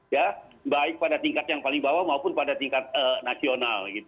ya baik pada tingkat yang paling bawah maupun pada tingkat nasional gitu